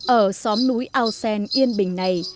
ở xóm núi ao sen yên bình này